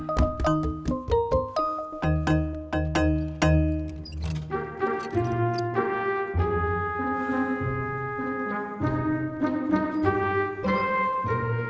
letakkan seribu sembilan ratus sembilan puluh tujuh di deskripsi